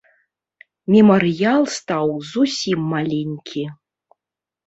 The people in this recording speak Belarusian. Мемарыял стаў зусім маленькі.